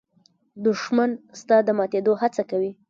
دښمن ستا د ماتېدو هڅه کوي